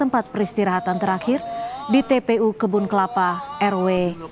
tempat peristirahatan terakhir di tpu kebun kelapa rw